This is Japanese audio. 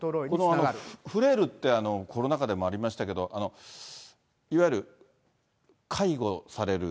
このフレイルって、コロナ禍でもありましたけど、いわゆる介護される